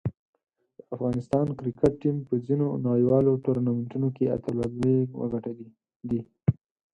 د افغانستان کرکټ ټیم په ځینو نړیوالو ټورنمنټونو کې اتلولۍ وګټلې دي.